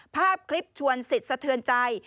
ภาพคลิปชวนสิทธิ์สะเทือนใจ